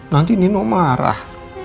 nanti nino marah